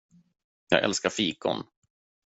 Jag älskar fikon!